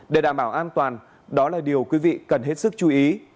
để đảm bảo an toàn đó là điều quý vị cần hết sức chú ý